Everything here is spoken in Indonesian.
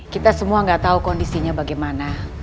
kita semua gak tau kondisinya bagaimana